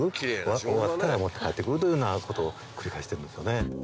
終わったら持って帰ってくるというようなことを繰り返してるんですよね。